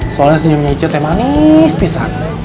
soalnya senyumnya ije teh manis pisan